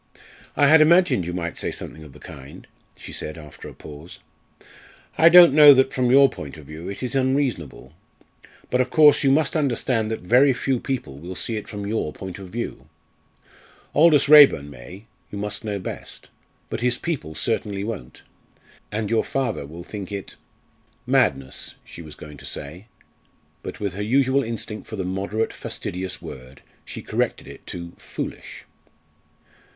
"I had imagined you might say something of the kind," she said after a pause. "I don't know that, from your point of view, it is unreasonable. But, of course, you must understand that very few people will see it from your point of view. Aldous Raeburn may you must know best. But his people certainly won't; and your father will think it " "Madness," she was going to say, but with her usual instinct for the moderate fastidious word she corrected it to "foolish."